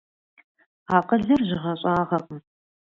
Акъылыр жьыгъэ-щӀагъэкъым.